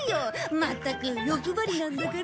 まったく欲張りなんだから。